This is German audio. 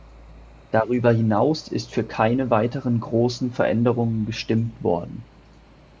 Darüber hinaus ist für keine weiteren großen Veränderungen gestimmt worden.